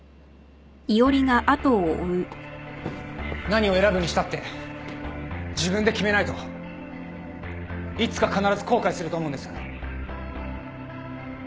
何を選ぶにしたって自分で決めないといつか必ず後悔すると思うんです。